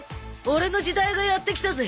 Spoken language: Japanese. オレの時代がやって来たぜ